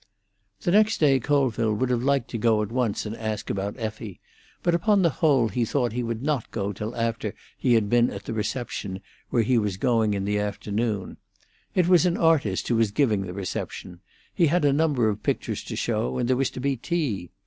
The next day Colville would have liked to go at once and ask about Effie, but upon the whole he thought he would not go till after he had been at the reception where he was going in the afternoon. It was an artist who was giving the reception; he had a number of pictures to show, and there was to be tea.